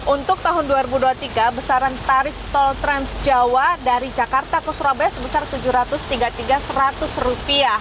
untuk tahun dua ribu dua puluh tiga besaran tarif tol transjawa dari jakarta ke surabaya sebesar rp tujuh ratus tiga puluh tiga seratus